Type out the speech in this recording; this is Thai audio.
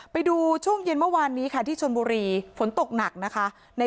ไปดูช่วงเย็นเมื่อวานนี้ค่ะที่ชนบุรีฝนตกหนักนะคะ